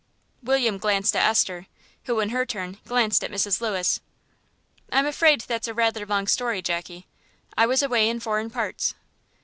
William glanced at Esther, who, in her turn, glanced at Mrs. Lewis. "I'm afraid that's rather a long story, Jackie. I was away in foreign parts."